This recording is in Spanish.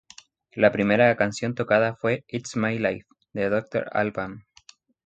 La primera canción tocada fue "It's My Life" de Dr. Alban.